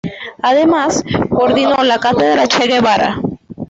Además, coordinó la Cátedra Che Guevara.